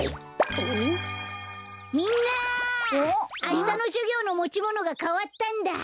あしたのじゅぎょうのもちものがかわったんだ。